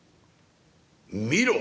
見ろ！」。